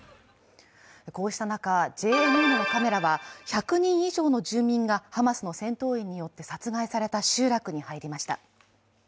こうした中、ＪＮＮのカメラは１００人以上の住民がハマスの戦闘員によって殺害された集落に入りました。